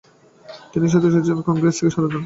তিনি স্বায়ত্তশাসন পার্টি এবং কংগ্রেস থেকে সরে দাঁড়ান।